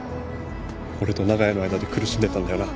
俺と長屋の間で苦しんでたんだよな？